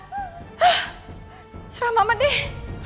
hah seram amat deh